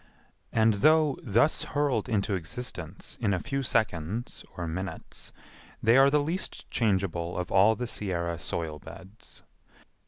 And though thus hurled into existence in a few seconds or minutes, they are the least changeable of all the Sierra soil beds.